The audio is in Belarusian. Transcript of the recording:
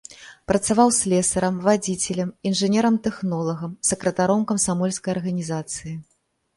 Працаваў слесарам, вадзіцелем, інжынерам-тэхнолагам, сакратаром камсамольскай арганізацыі.